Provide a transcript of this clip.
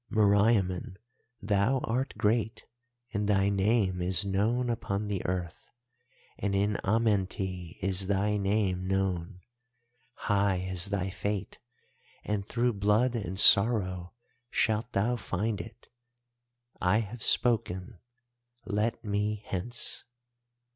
Meriamun, thou art great and thy name is known upon the earth, and in Amenti is thy name known. High is thy fate, and through blood and sorrow shalt thou find it. I have spoken, let me hence.